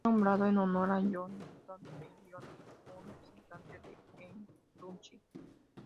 Fue nombrado en honor a John Milton Elliott, un representante de Kentucky.